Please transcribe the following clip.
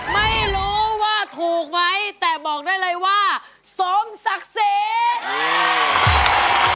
ไม่รู้ว่าถูกไหมแต่บอกได้เลยว่าสมศักดิ์ศรี